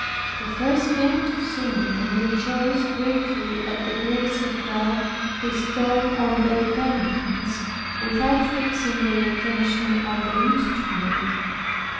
The first came to see me, and rejoiced greatly at the grace of God bestowed on their penitents, without fixing their attention on the instrument.